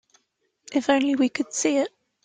If only we could see it.